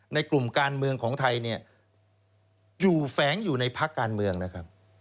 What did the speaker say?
ในกลุ่มการเมืองของไทยเนี่ยอยู่แฝงอยู่ในพักการเมืองนะครับ